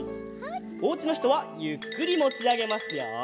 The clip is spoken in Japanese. おうちのひとはゆっくりもちあげますよ。